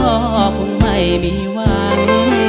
ถึงล่อคงไม่มีหวัง